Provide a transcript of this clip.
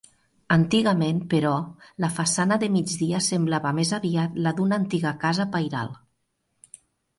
Antigament, però, la façana de migdia semblava més aviat la d'una antiga casa pairal.